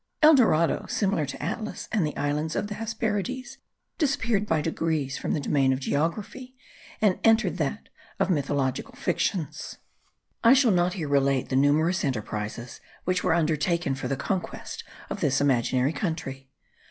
El Dorado, similar to Atlas and the islands of the Hesperides, disappeared by degrees from the domain of geography, and entered that of mythological fictions. I shall not here relate the numerous enterprises which were undertaken for the conquest of this imaginary country.